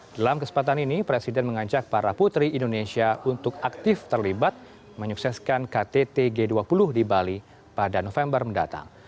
dalam kesempatan ini presiden mengajak para putri indonesia untuk aktif terlibat menyukseskan ktt g dua puluh di bali pada november mendatang